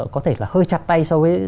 có thể là hơi chặt tay so với